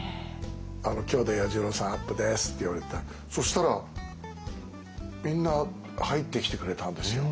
今日で彌十郎さんアップですって言われてそしたらみんな入ってきてくれたんですよ